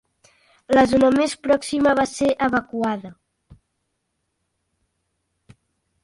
La zona més pròxima va ser evacuada.